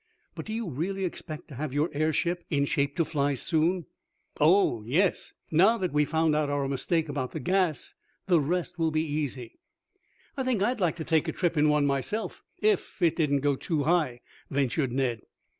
But do you really expect to have your airship in shape to fly soon?" "Oh, yes. Now that we have found out our mistake about the gas, the rest will be easy." "I think I'd like to take a trip in one myself, if it didn't go too high," ventured Ned.